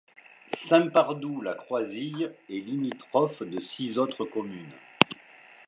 Saint-Pardoux-la-Croisille est limitrophe de six autres communes.